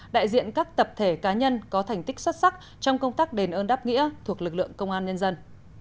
đại diện các tập thể cá nhân có thành tích xuất sắc trong công tác đền ơn đáp nghĩa thuộc lực lượng công an nhân dân